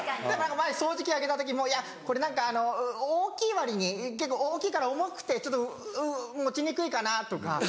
前掃除機あげた時も「いやこれ何かあの大きい割に結構大きいから重くてちょっと持ちにくいかな」とか。